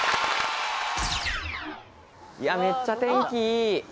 やめっちゃ天気いい。